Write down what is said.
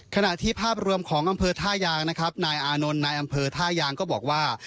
ขณะที่ภาพรวมของอำเภอท่ายางนะครับนายอานนท์นายอำเภอท่ายางก็บอกว่า